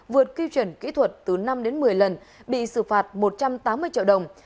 vượt quy chuẩn kỹ thuật từ năm đến một mươi lần bị xử phạt một trăm tám mươi triệu đồng